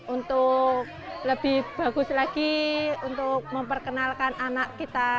untuk lebih bagus lagi untuk memperkenalkan anak kita